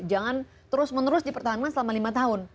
jangan terus menerus dipertahankan selama lima tahun